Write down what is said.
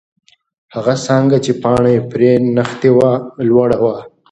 هغه څانګه چې پاڼه پرې نښتې وه، لوړه وه.